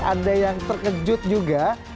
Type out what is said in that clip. ada yang terkejut juga